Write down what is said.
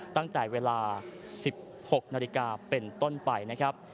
ตั้งแต่เวลา๑๖นาฬิกาเป็นต้นไปนะครับ